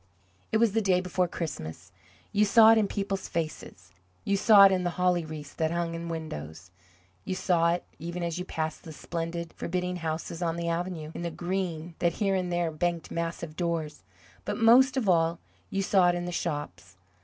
It was the day before Christmas. You saw it in people's faces; you saw it in the holly wreaths that hung in windows; you saw it, even as you passed the splendid, forbidding houses on the avenue, in the green that here and there banked massive doors; but most of all, you saw it in the shops.